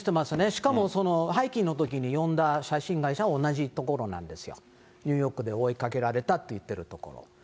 しかもハイキングのときに呼んだ写真会社は同じ所なんですよ、ニューヨークで追いかけられたって言ってるところ。